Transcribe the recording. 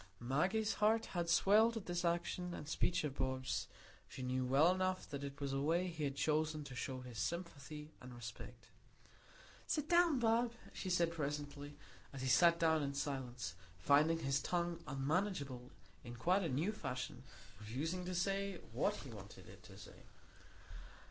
Maggie's heart had swelled at this action and speech of Bob's; she knew well enough that it was a way he had chosen to show his sympathy and respect. "Sit down, Bob," she said presently, and he sat down in silence, finding his tongue unmanageable in quite a new fashion, refusing to say what he wanted it to say.